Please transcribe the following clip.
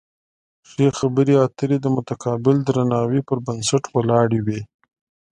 ښې خبرې اترې د متقابل درناوي پر بنسټ ولاړې وي.